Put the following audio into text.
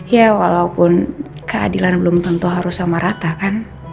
ya walaupun keadilan belum tentu harus sama rata kan